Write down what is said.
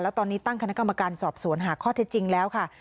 แล้วตอนนี้ตั้งคณะกรรมการสอบสวนหาข้อเท็จจริงแล้วค่ะ